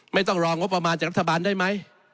ไม่ต้องรองบประมาณจากรัฐบาลได้ไหม